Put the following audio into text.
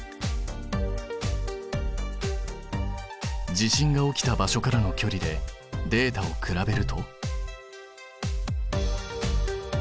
地震が起きた場所からのきょりでデータを比べると？